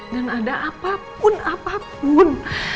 dan ada apapun apapun